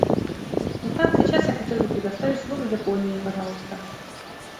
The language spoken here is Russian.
Итак, сейчас я хотел бы предоставить слово Японии, пожалуйста.